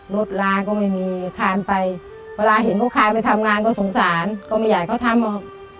ล้างก็ไม่มีคานไปเวลาเห็นเขาคานไปทำงานก็สงสารก็ไม่อยากให้เขาทำออก